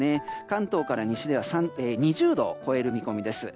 関東から西では２０度を超える見込みです。